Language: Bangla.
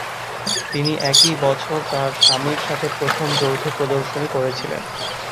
তিনি একই বছর তার স্বামীর সাথে প্রথম যৌথ প্রদর্শনী করেছিলেন।